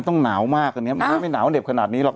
นะต้องหนาวมากนะครับไม่น่าวเด็บขนาดนี้หรอก